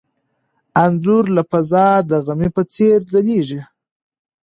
انځور له فضا د غمي په څېر ځلېږي.